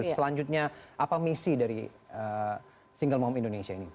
selanjutnya apa misi dari single mom indonesia ini